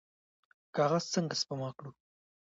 کاغذ څنګه سپما کړو؟